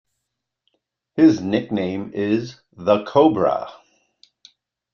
His nickname is The Cobra.